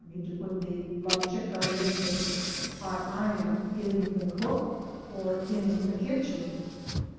6j me to put the plancha caliente (hot iron) in the cook, or in the kitchen